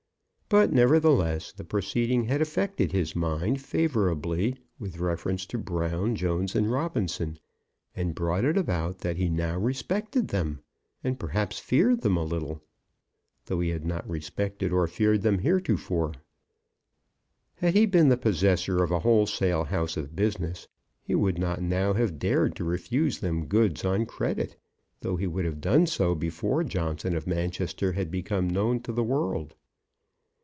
But, nevertheless, the proceeding had affected his mind favourably with reference to Brown, Jones, and Robinson, and brought it about that he now respected them, and, perhaps, feared them a little, though he had not respected or feared them heretofore. Had he been the possessor of a wholesale house of business, he would not now have dared to refuse them goods on credit, though he would have done so before Johnson of Manchester had become known to the world.